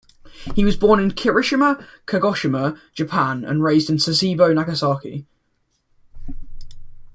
He was born in Kirishima, Kagoshima, Japan and raised in Sasebo, Nagasaki.